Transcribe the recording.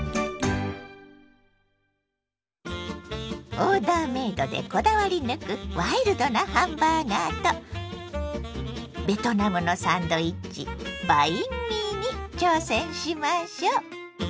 オーダーメイドでこだわり抜くワイルドなハンバーガーとベトナムのサンドイッチバインミーに挑戦しましょ。